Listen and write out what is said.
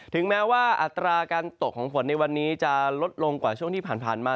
ถึงแม้ว่าอัตราการตกของฝนในวันนี้จะลดลงกว่าช่วงที่ผ่านมา